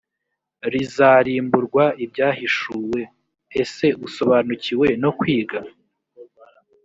rizarimburwa ibyahishuwe ese usobanukiwe no kwiga